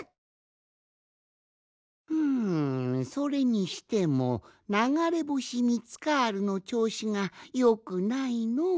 ふんそれにしてもながれぼしミツカールのちょうしがよくないのう。